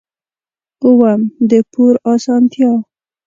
اووم: د پور اسانتیا.